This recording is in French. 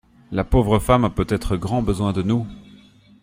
La pauvre femme a peut-être grand besoin de nous.